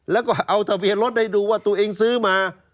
แล้วก็เอาทะเบียนรถให้ดูว่าตัวเองซื้อมา